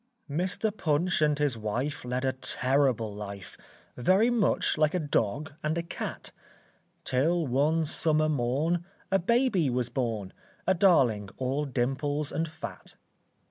Mr. Punch and his wife Led a terrible life, Very much like a dog and a cat; Till, one summer morn A baby was born, A darling all dimples and fat.